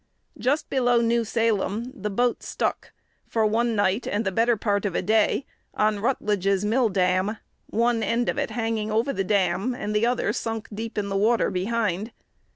Just below New Salem the boat "stuck," for one night and the better part of a day on Rutledge's mill dam, one end of it hanging over the dam, and the other sunk deep in the water behind.